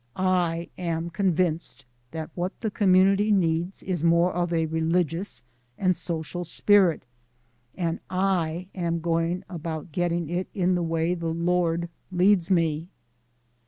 I am convinced that what the community needs is more of a religious and social spirit, and I am going about getting it in the way the Lord leads me."